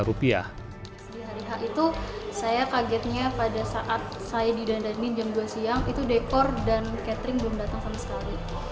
di hari h itu saya kagetnya pada saat saya didandanin jam dua siang itu dekor dan catering belum datang sama sekali